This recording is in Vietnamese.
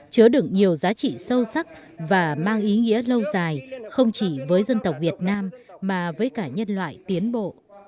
chứa đựng nhiều giá trị sâu sắc và mang ý nghĩa lâu dài không chỉ với dân tộc việt nam mà với cả nhân loại tiến bộ